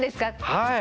はい。